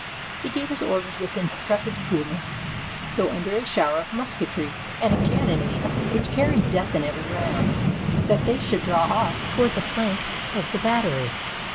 He gave his orders with intrepid coolness — though under a shower of musketry and a cannonade which carried death in every round — that they should draw off toward the flank of the battery.